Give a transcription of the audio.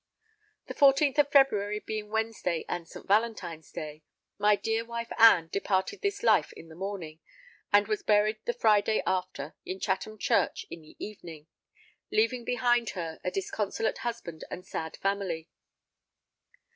The 14th of February, being Wednesday and St. Valentine's Day, my dear wife Ann departed this life in the morning, and was buried the Friday after in Chatham Church in the evening, leaving behind her a disconsolate husband and sad family.